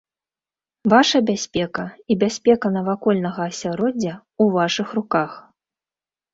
Ваша бяспека і бяспека навакольнага асяроддзя ў вашых руках.